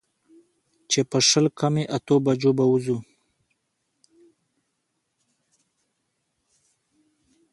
چې پر شل کمې اتو بجو به وځو.